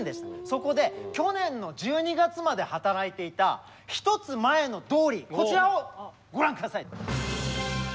そこで去年の１２月まで働いていた１つ前のドーリーこちらをご覧下さい。